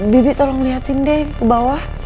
bibi tolong liatin deh ke bawah